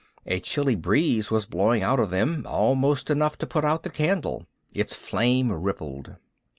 A chilly breeze was blowing out of them, almost enough to put out the candle. Its flame rippled.